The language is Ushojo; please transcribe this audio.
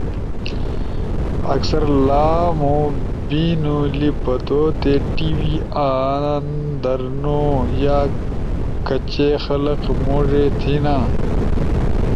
اکثر لامو بینو لی پتوتے ٹی وی آن درنو، یا کاچے خلق موڙے تھینا۔